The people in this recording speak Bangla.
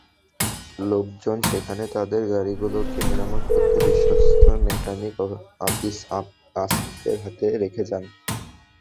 লোকজন সেখানে তাঁদের গাড়িগুলোকে মেরামত করতে বিশ্বস্ত মেকানিক আসিফের হাতে রেখে যান।